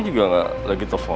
kan juga gak lagi telfon lo